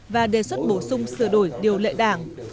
và đề xuất bổ sung sửa đổi điều lệ đảng